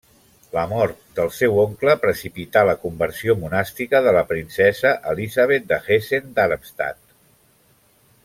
La mort del seu oncle, precipità la conversió monàstica de la princesa Elisabet de Hessen-Darmstadt.